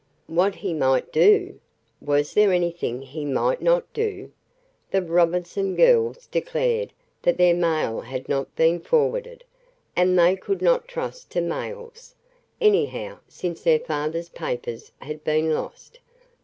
What he might do? Was there anything he might not do? The Robinson girls declared that their mail had not been forwarded, and they could not trust to mails, anyhow, since their father's papers had been lost.